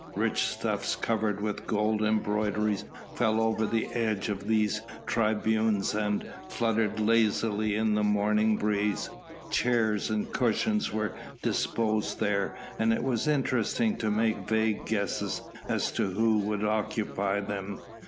Rich stuffs covered with gold embroideries fell over the edge of these tribunes and fluttered lazily in the morning breeze; chairs and cushions were disposed there, and it was interesting to make vague guesses as to who would occupy them.